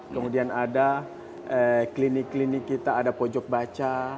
kemudian ada klinik klinik kita ada pojok baca